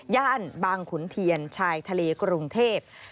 ย่านบางขุนเทียนชายทะเลกรุงเทพ